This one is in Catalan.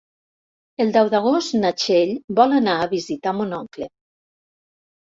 El deu d'agost na Txell vol anar a visitar mon oncle.